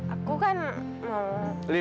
aku kan mau